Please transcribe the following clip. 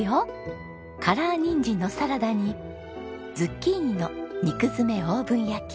カラーニンジンのサラダにズッキーニの肉詰めオーブン焼き。